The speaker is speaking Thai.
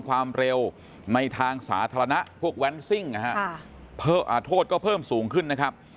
ความเร็วในทางสาธารณะพวกแวนซิ่งนะฮะโทษก็เพิ่มสูงขึ้นนะครับ